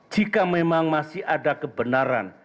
jika memang masih ada kebenaran